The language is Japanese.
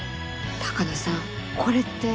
鷹野さんこれって。